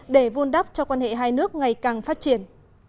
để vun đắp cho quan hệ hai nước ngày càng phát triển